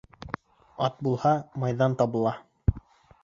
Ат булһа, майҙан табыла